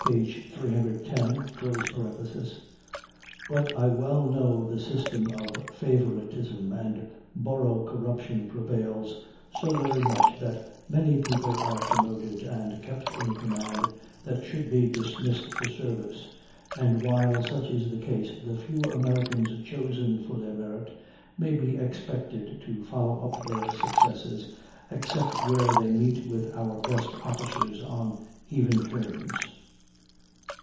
310): "But I well know the system of favoritism and borough corruption prevails so very much that many people are promoted and kept in command that should be dismissed the service, and while such is the case the few Americans chosen for their merit may be expected to follow up their successes except where they meet with our best officers on even terms."